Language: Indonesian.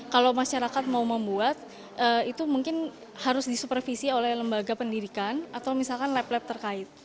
kalau masyarakat mau membuat itu mungkin harus disupervisi oleh lembaga pendidikan atau misalkan lab lab terkait